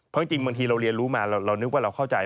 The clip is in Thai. เพราะจริงบางทีเราเรียนรู้มาเรานึกว่าเราเข้าใจ